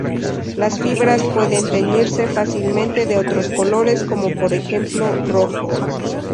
Las fibras pueden teñirse fácilmente de otros colores como por ejemplo rojo.